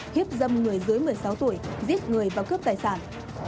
hiếp dâm người dưới một mươi sáu tuổi giết người và cướp tài sản